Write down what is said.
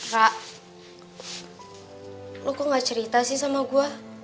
kak lo kok gak cerita sih sama gue